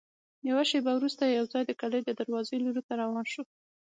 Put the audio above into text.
یوه شېبه وروسته یوځای د کلا د دروازې لور ته روان شوو.